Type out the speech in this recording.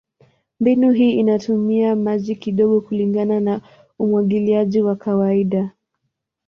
Mbinu hii inatumia maji kidogo kulingana na umwagiliaji wa kawaida.